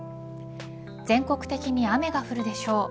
全国的に雨が降るでしょう。